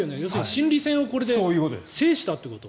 心理戦をこれで制したということ？